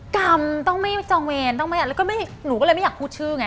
กรรมต้องไม่จองเวรหนูก็เลยไม่อยากพูดชื่อไง